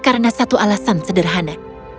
karena satu alasan sederhana